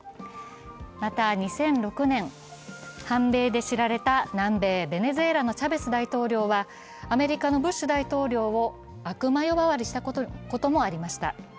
また、２００６年、反米で知られた南米ベネズエラのチャベス大統領はアメリカのブッシュ大統領を悪魔呼ばわりしたこともありました。